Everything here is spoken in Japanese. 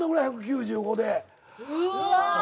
うわ！